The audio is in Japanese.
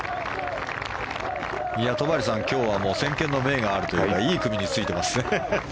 戸張さん、今日は先見の明があるというかいい組についてますね。